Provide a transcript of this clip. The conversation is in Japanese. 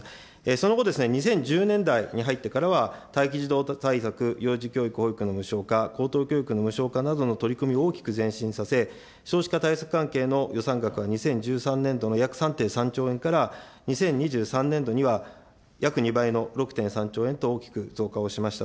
その後、２０１０年代に入ってからは、待機児童対策、幼児教育、保育の無償化、高等教育の無償化などの取り組みを大きく前進させ、少子化対策関係の予算額は２０１３年度の約３．３兆円から、２０２３年度には約２倍の６．３兆円へと大きく増加をしました。